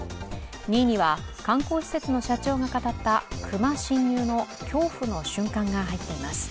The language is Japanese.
２位には観光施設の社長が語った熊侵入の恐怖の瞬間が入っています。